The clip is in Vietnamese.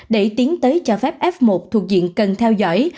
để tiến tới cho phép f một thuộc diện cần theo dõi